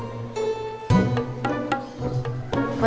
ini siapaan sih sob